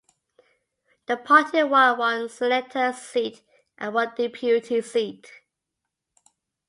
The party won one senator seat and one deputy seat.